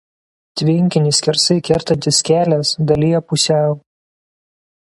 Tvenkinį skersai kertantis kelias dalija pusiau.